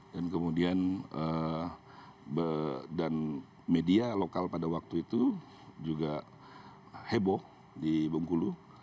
dan kemudian media lokal pada waktu itu juga heboh di bengkulu